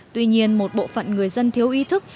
tuy nhiên một bộ phận người dân thiếu ý thức